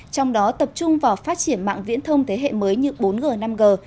trong đó tập trung vào phát triển mạng viễn thông thế hệ mới như bốn g năm g